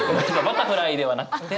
バタフライではなくて。